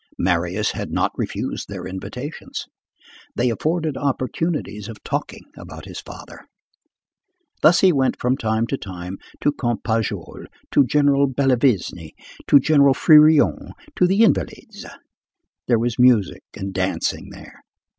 Marius had not refused their invitations. They afforded opportunities of talking about his father. Thus he went from time to time, to Comte Pajol, to General Bellavesne, to General Fririon, to the Invalides. There was music and dancing there.